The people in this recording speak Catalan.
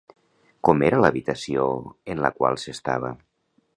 Com era l'habitació en la qual s'estava?